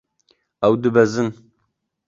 Ew dibezin.